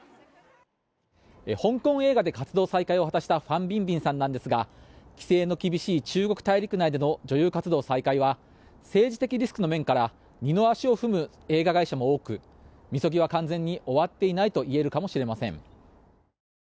香港映画で活動再開を果たしたファン・ビンビンさんですが規制の厳しい中国大陸内での女優活動再開は政治的リスクの面から二の足を踏む映画会社も多くみそぎは完全に終わってないと言えるかもしれません。